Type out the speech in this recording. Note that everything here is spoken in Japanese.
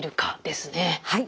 はい。